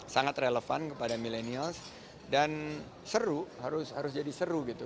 sangat relevan kepada milenials dan seru harus jadi seru gitu